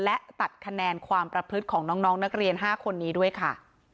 และตัดคะแนนความประพฤติของน้องนักเรียน๕คนนี้ด้วยค่ะ